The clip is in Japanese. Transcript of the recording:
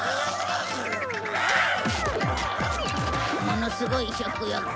ものすごい食欲。